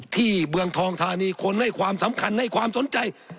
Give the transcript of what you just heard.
เมืองทองธานีคนให้ความสำคัญให้ความสนใจ